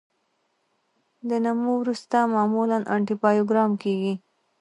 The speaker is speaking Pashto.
د نمو وروسته معمولا انټي بایوګرام کیږي.